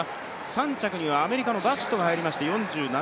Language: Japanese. ３着にはアメリカのバシットが入りました。